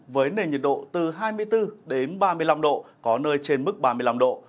với nền nhiệt độ từ hai mươi bốn đến ba mươi năm độ có nơi trên mức ba mươi năm độ